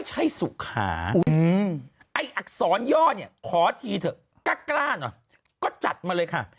ใช่สุขาไอ้อักษรย่อเนี่ยขอทีเถอะกล้าหน่อยก็จัดมาเลยค่ะ